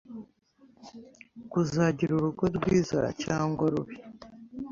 kuzagira urugo rwiza cyangwa rubi